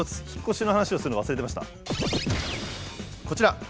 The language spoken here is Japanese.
こちら！